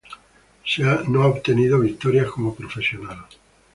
No ha obtenido victorias como profesional.